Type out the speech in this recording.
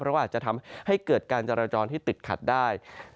เพราะว่าอาจจะทำให้เกิดการจราจรที่ติดขัดได้